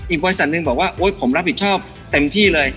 บริษัทหนึ่งบอกว่าโอ๊ยผมรับผิดชอบเต็มที่เลย